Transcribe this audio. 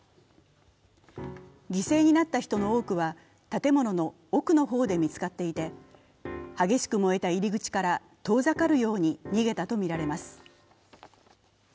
犠牲になった人の多くは建物の奥の方で見つかっていて、激しく燃えた入り口から遠ざかるように逃げたとみられます。